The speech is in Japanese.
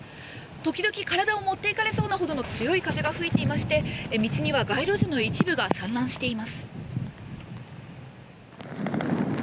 時々体を持っていかれそうなほど強い風が吹いていまして道には街路樹の一部が散乱しています。